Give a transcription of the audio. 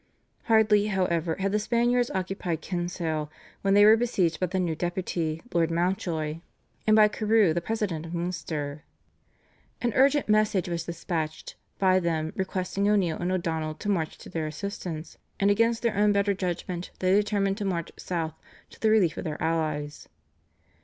Hardly, however, had the Spaniards occupied Kinsale when they were besieged by the new Deputy, Lord Mountjoy, and by Carew, the President of Munster. An urgent message was dispatched by them requesting O'Neill and O'Donnell to march to their assistance, and against their own better judgment they determined to march South to the relief of their allies.